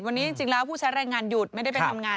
วันนี้จริงแล้วผู้ใช้แรงงานหยุดไม่ได้ไปทำงาน